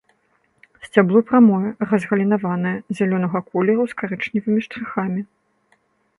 Сцябло прамое, разгалінаванае, зялёнага колеру з карычневымі штрыхамі.